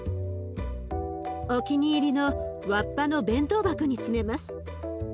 お気に入りのわっぱの弁当箱に詰めます。